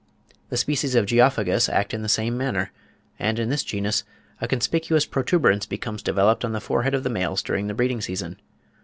The species of Geophagus act in the same manner; and in this genus, a conspicuous protuberance becomes developed on the forehead of the males during the breeding season.